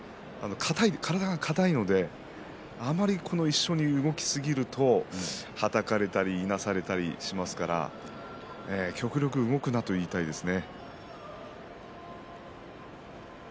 体がかたいのであまり一緒に動きすぎるとはたかれたりいなされたりしますから極力、動くなと言いたいですね。